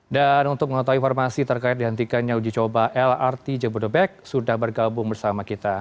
dan untuk mengetahui informasi terkait dihentikannya uji coba lrt jebudebek sudah bergabung bersama kita